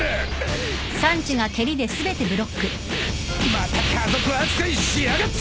また家族扱いしやがって！